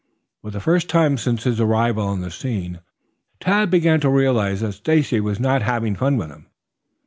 For the first time since his arrival on the scene Tad began to realize that Stacy was not having fun with him.